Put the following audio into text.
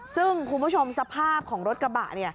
ซึ่งคุณผู้ชมสภาพของรถกระบะ